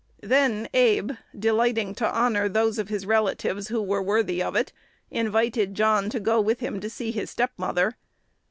Then Abe, delighting to honor those of his relatives who were worthy of it, invited John to go with him to see his step mother.